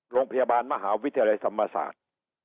โรงพยาบาลมหาวิทยาลัยธรรมศาสตร์